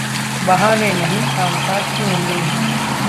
बहाने नहीं, कामकाज की उम्मीद